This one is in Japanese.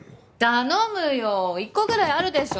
頼むよ１個ぐらいあるでしょ？